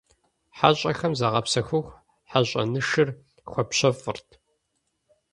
ХьэщӀэхэм загъэпсэхуху, хьэщӀэнышыр хуапщэфӏырт.